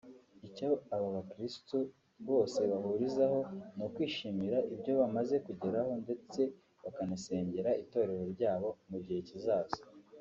Icyo aba bakiristo bose bahurizaho ni ukwishimira ibyo bamaze kugeraho ndetse bakanasengera itorero ryabo mu gihe kizaza